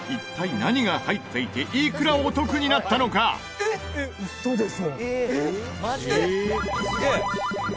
「えっ、ウソでしょ？」